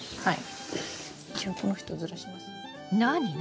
はい。